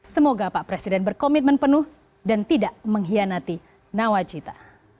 semoga pak presiden berkomitmen penuh dan tidak mengkhianati nawacita